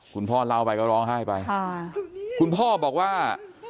คุณพ่อเล่าไปก็ร้องไห้ไปค่ะคุณพ่อบอกว่า